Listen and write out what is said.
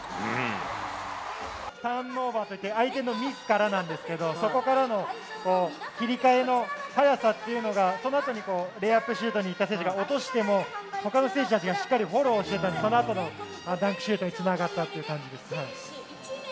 ターンオーバーっていって、相手のミスからなんですけど、そこからの切り替えの早さっていうのが、そのあとにレイアップシュートにいった選手が落としても、ほかの選手たちがしっかりフォローしてたので、そのあとのダンクシュートにつながったって感じですね。